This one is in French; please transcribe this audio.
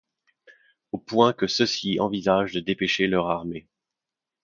Au point que ceux-ci envisagent de dépêcher leur armée...